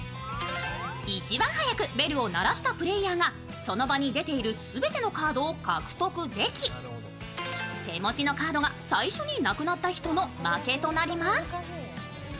一番早くベルを鳴らしたプレーヤーがその場に出ている全てのカードを獲得でき手持ちのカードが最初になくなった人の負けとなります。